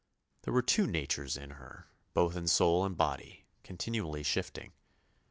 There were two natures in her, both in soul and body, continually shifting.